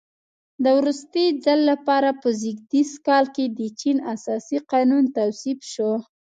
د وروستي ځل لپاره په زېږدیز کال کې د چین اساسي قانون تصویب شو.